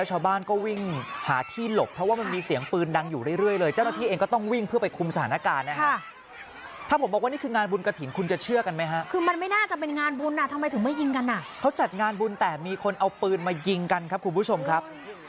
ชายอายุ๕๓ปีเป็นคนนทบุรีครับ